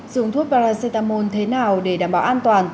dùng thuốc paracetamol thế nào để đảm bảo an toàn